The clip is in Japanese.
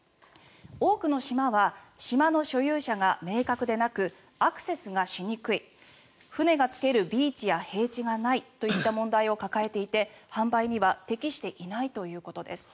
多くの島は島の所有者が明確でなくアクセスがしにくい船が着けるビーチや平地がないといった問題を抱えていて販売には適していないということです。